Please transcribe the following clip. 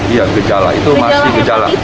iya gejala itu masih gejala